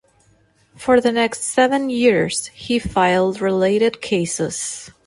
For the next seven years he filed related cases.